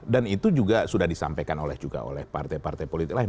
dan itu juga sudah disampaikan juga oleh partai partai politik lain